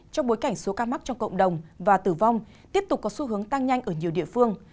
trong bối cảnh số ca mắc trong cộng đồng và tử vong tiếp tục có xu hướng tăng nhanh ở nhiều địa phương